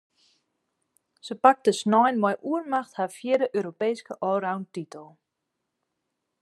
Se pakte snein mei oermacht har fjirde Europeeske allroundtitel.